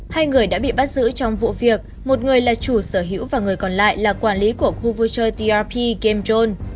hai người đã bị bắt giữ trong vụ việc một người là chủ sở hữu và người còn lại là quản lý của khu vui chơi trp game zone